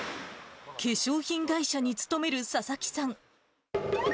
化粧品会社に勤める佐々木さん。